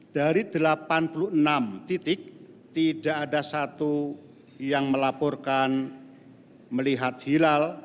dari delapan puluh enam titik tidak ada satu yang melaporkan melihat hilal